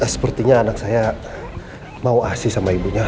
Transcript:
sepertinya anak saya mau asi sama ibunya